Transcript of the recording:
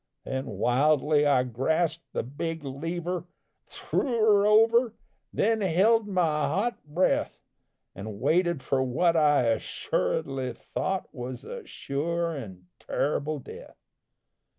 Then wildly I grasped the big lever, Threw her over, then held my hot breath, An' waited for what I assuredly thought Was a sure an' terrible death.